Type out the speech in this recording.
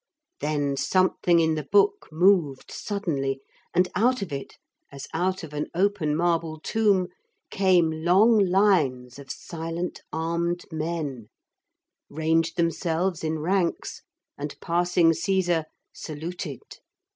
Then something in the book moved suddenly, and out of it, as out of an open marble tomb, came long lines of silent armed men, ranged themselves in ranks, and, passing Caesar, saluted.